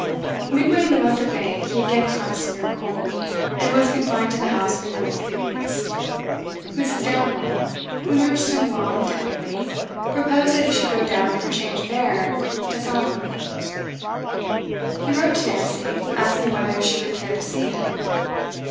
Midway in the month of May he again caught a severe cold, and was confined to the house for nearly three weeks. Mrs. Damerel, who nursed him well and tenderly, proposed that he should go down for change of air to Falmouth. He wrote to Nancy, asking whether she would care to see him.